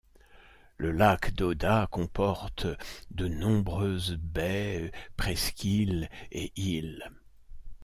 Le lac Doda comporte de nombreuses baies, presqu’îles et îles.